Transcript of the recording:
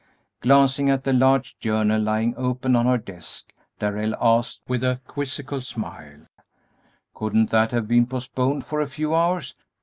Glancing at the large journal lying open on her desk, Darrell asked, with a quizzical smile, "Couldn't that have been postponed for a few hours?"